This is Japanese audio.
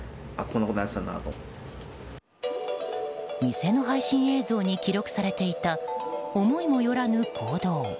店の配信映像に記録されていた思いもよらぬ行動。